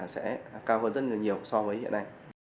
sẽ cao hơn rất nhiều so với hiện nay